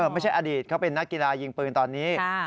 ไม่ใช่อดีตเขาเป็นนักกีฬายิงปืนตอนนี้